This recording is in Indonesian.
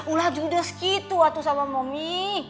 ulah judeh segitu atuh sama mami